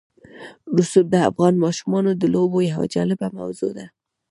رسوب د افغان ماشومانو د لوبو یوه جالبه موضوع ده.